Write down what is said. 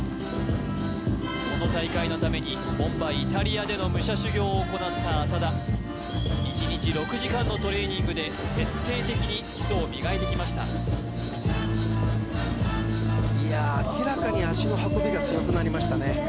この大会のために本場イタリアでの武者修行を行った浅田１日６時間のトレーニングで徹底的に基礎を磨いてきましたいや明らかに足の運びが強くなりましたね